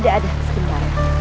tidak ada apa apa